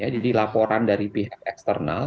jadi laporan dari pihak eksternal